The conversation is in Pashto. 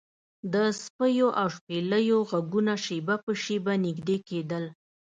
د سپیو او شپېلیو غږونه شیبه په شیبه نږدې کیدل